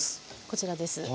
こちらです。